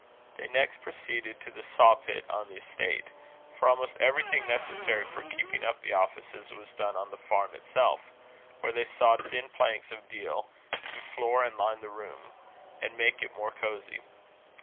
They next proceeded to the saw pit on the estate for almost everything necessary for keeping up the offices was done on the farm itself where they sawed thin planks of deal, to floor and line the room, and make it more cosie.